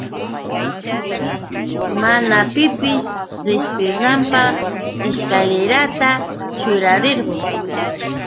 Mana pipis qishpinanpaq ishkalirata chuqarirquy.